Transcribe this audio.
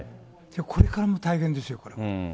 これからも大変ですよ、これ。